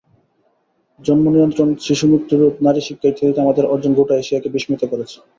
জন্মনিয়ন্ত্রণ, শিশুমৃত্যু রোধ, নারী শিক্ষা ইত্যাদিতে আমাদের অর্জন গোটা এশিয়াকে বিস্মিত করেছে।